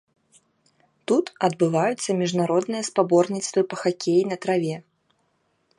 Тут адбываюцца міжнародныя спаборніцтвы па хакеі на траве.